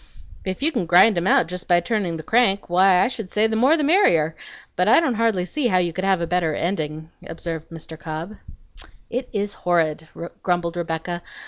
"If you can grind 'em out jest by turnin' the crank, why I should say the more the merrier; but I don't hardly see how you could have a better endin'," observed Mr. Cobb. "It is horrid!" grumbled Rebecca.